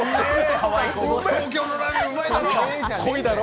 東京のラーメンうまいだろ？